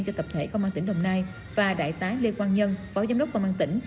cho tập thể công an tỉnh đồng nai và đại tá lê quang nhân phó giám đốc công an tỉnh